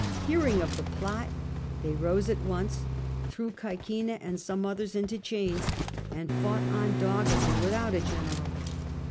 Hearing of the plot, they rose at once, threw Caecina and some others into chains, and fought on doggedly with out a general.